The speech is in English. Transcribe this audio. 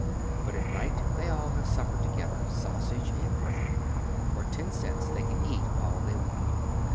Eat at night they all have supper together — sausage and bread. For ten cents they can eat all they want.